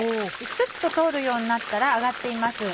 スッと通るようになったら揚がっています。